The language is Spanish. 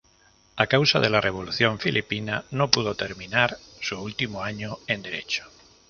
A causa de la Revolución filipina no pudo terminar su último año en Derecho.